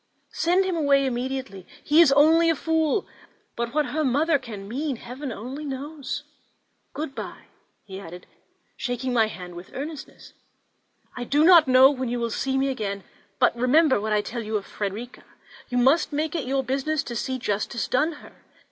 Send him away immediately; he is only a fool: but what her mother can mean, Heaven only knows! Good bye," he added, shaking my hand with earnestness; "I do not know when you will see me again; but remember what I tell you of Frederica; you must make it your business to see justice done her.